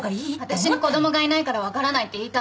私に子供がいないから分からないって言いたいの？